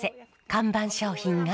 看板商品が。